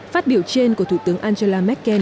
phát biểu trên của thủ tướng angela merkel